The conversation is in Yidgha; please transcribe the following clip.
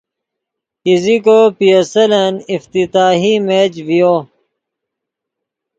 ایزیکو پی ایس ایلن افتتاحی میچ ڤیو